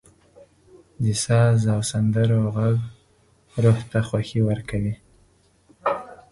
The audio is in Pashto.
• د ساز او سندرو ږغ روح ته خوښي ورکوي.